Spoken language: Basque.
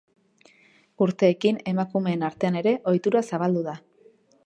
Urteekin emakumeen artean ere ohitura zabaldu da.